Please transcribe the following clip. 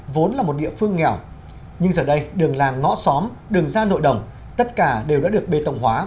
vốn là một địa phương nghèo nhưng giờ đây đường làng ngõ xóm đường ra nội đồng tất cả đều đã được bê tổng hóa